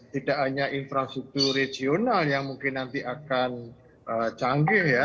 tidak hanya infrastruktur regional yang mungkin nanti akan canggih ya